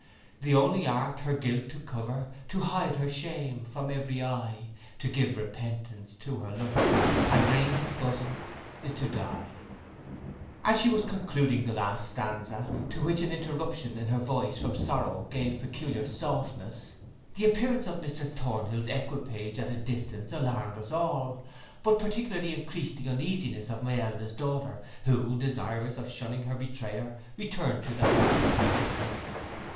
The only art her guilt to cover, To hide her shame from every eye, To give repentance to her lover, And wring his bosom—is to die. As she was concluding the last stanza, to which an interruption in her voice from sorrow gave peculiar softness, the appearance of Mr Thornhill's equipage at a distance alarmed us all, but particularly encreased the uneasiness of my eldest daughter, who, desirous of shunning her betrayer, returned to the house with her sister.